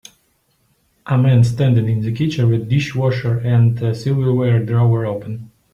A man standing in a kitchen with dishwasher and silverware drawer open.